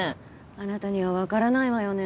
あなたにはわからないわよね